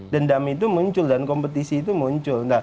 dendam itu muncul dan kompetisi itu muncul